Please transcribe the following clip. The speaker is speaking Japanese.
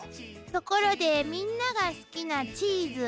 ところでみんなが好きなチーズ。